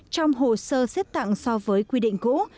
trong hồ sơ xét tặng so với quy định cũ